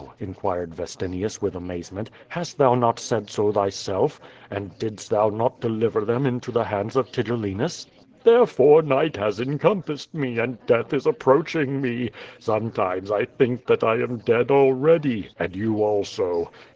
inquired Vestinius, with amazement. "Hast thou not said so thyself? And didst thou not deliver them into the hands of Tigellinus?" "Therefore night has encompassed me, and death is a]) proaching me. Sometimes I think that I am dead already, and you also."